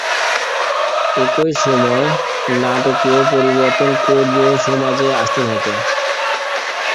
একই সময়ে নাটকীয় পরিবর্তন কোরীয় সমাজে আসতে থাকে।